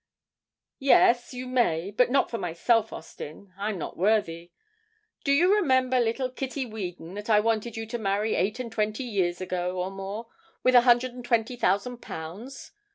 'Yes, you may, but not for myself, Austin I'm not worthy. Do you remember little Kitty Weadon that I wanted you to marry eight and twenty years ago, or more, with a hundred and twenty thousand pounds?